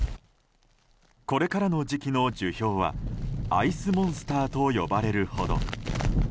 これからの時期の樹氷はアイスモンスターと呼ばれるほど。